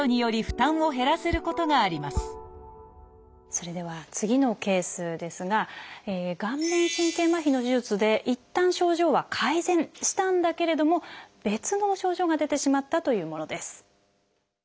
それでは次のケースですが顔面神経麻痺の手術でいったん症状は改善したんだけれども別の症状が出てしまったというものです。